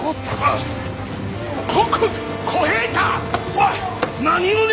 おい！